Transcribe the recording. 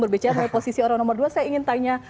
berbicara mengenai posisi orang nomor dua saya ingin tanya